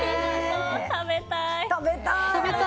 食べたい！